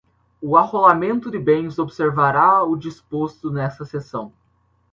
O arrolamento de bens observará o disposto nesta Seção